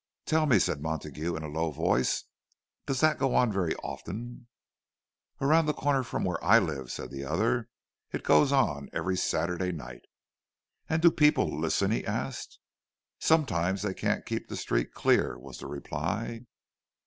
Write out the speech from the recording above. "Tell me," said Montague, in a low voice, "does that go on very often?" "Around the corner from where I live," said the other, "it goes on every Saturday night." "And do the people listen?" he asked. "Sometimes they can't keep the street clear," was the reply.